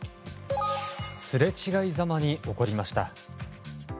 すれ違いざまに起こりました。